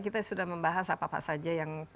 kita sudah membahas apa apa saja yang